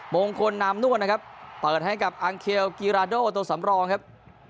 มงคลนามนวดนะครับเปิดให้กับอังเคลกีราโดตัวสำรองครับ